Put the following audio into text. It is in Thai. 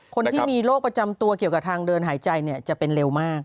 คนที่มีโรคประจำตัวเกี่ยวกับทางเดินหายใจจะเป็นเร็วมาก